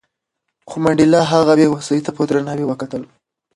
خو منډېلا د هغه بې وسۍ ته په درناوي وکتل.